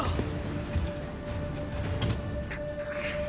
くっ！